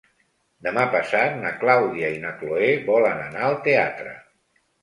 Demà passat na Clàudia i na Cloè volen anar al teatre.